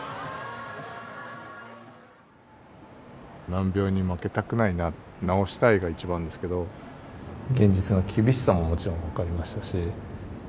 難病に負けたくないな、治したいが一番ですけど、現実の厳しさももちろん分かりましたし。